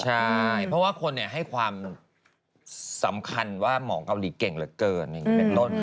ใช่เพราะว่าคนให้ความสำคัญว่าหมองเกาหลีเก่งเหลือเพลิน